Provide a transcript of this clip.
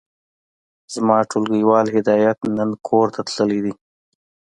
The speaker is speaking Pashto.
زما ټولګيوال هدايت نن کورته تللی دی.